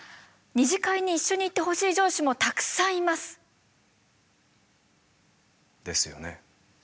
二次会に一緒に行ってほしい上司もたくさんいます！ですよね。